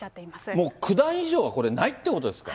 もう九段以上はこれ、ないということですか？